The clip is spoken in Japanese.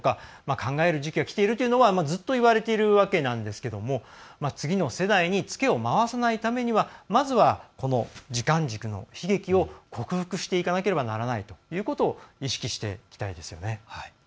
考えるときがきているというのは、ずっと言われているわけなんですが次の世代にツケを回さないためにはまずは、この時間軸の悲劇を克服していかなければいけないということを意識していきたいですよね。